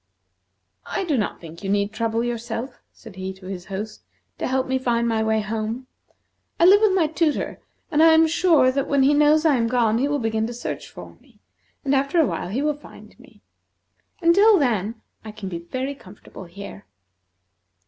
"I do not think you need trouble yourself," said he to his host, "to help me to find my way home. I live with my tutor, and I am sure that when he knows I am gone he will begin to search for me, and after awhile he will find me. Until then, I can be very comfortable here."